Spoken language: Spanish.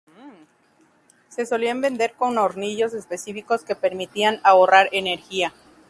Se solían vender con hornillos específicos que permitían ahorrar energía.